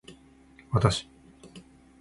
私